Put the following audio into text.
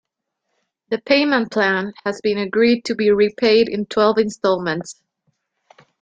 The payment plan has been agreed to be repaid in twelve instalments.